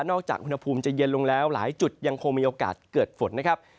จากอุณหภูมิจะเย็นลงแล้วหลายจุดยังคงมีโอกาสเกิดฝนนะครับ